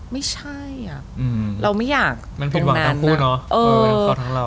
ไม่ใช่อ่ะเราไม่อยากตรงนั้นนะ